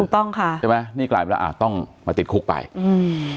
ต้องค่ะใช่ไหมนี่กลายเป็นว่าอ่าต้องมาติดคุกไปอืม